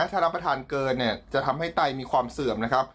ถ้ารับประทานเกินจะทำให้ไตมีความเสื่อม